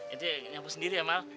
itu nyapu sendiri ya mal